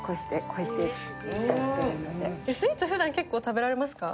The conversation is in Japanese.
スイーツ結構ふだん食べられますか？